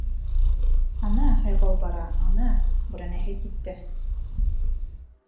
— Ана һайғау бара, ана бүрәнәһе китте!